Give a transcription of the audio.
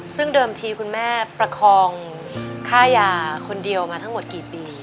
ซึ่งเดิมทีคุณแม่ประคองค่ายาคนเดียวมาทั้งหมดกี่ปี